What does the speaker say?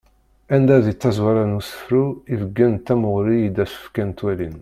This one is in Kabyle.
Anda di tazwara n usefru ibeggen-d tamuɣli i d-as-fkan twalin.